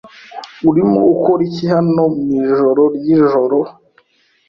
Urimo ukora iki hano mwijoro ryijoro?